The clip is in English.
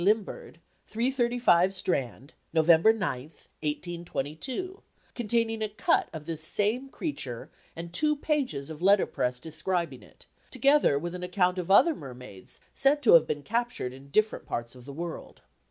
Limbird, 335 Strand, November 9, 1822, containing a cut of this same creature and two pages of letter press describing it, together with an account of other mermaids said to have been captured in different parts of the world.